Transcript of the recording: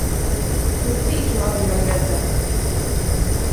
Tū cīši labi var redzēt.